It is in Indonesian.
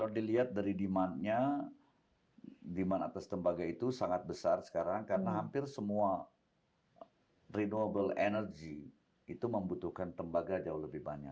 kalau dilihat dari demandnya demand atas tembaga itu sangat besar sekarang karena hampir semua renewable energy itu membutuhkan tembaga jauh lebih banyak